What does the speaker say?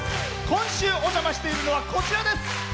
今週、お邪魔しているのはこちらです。